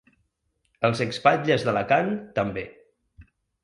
Els ex-batlles d’Alacant, també.